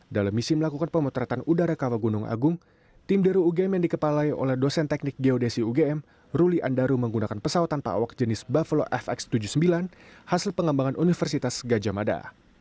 dalam misi melakukan pemutretan udara kawah gunung agung tim deru ugm yang dikepalai oleh dosen teknik geodesi ugm ruli andaru menggunakan pesawat tanpa awak jenis buffle fx tujuh puluh sembilan hasil pengembangan universitas gajah mada